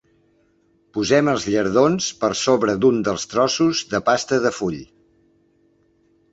Posem els llardons per sobre d’un dels trossos de pasta de full.